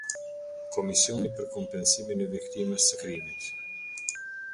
Komisioni për kompensimin e viktimës së krimit.